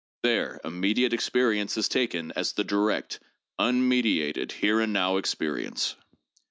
There, immediate experience is taken as the direct, unmediated, here and now experience.